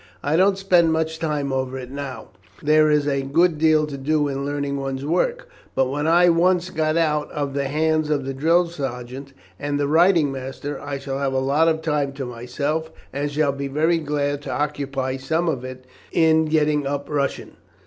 I don't spend much time over it now, for there is a good deal to do in learning one's work, but when I once get out of the hands of the drill sergeant and the riding master I shall have a lot of time to myself, and shall be very glad to occupy some of it in getting up Russian."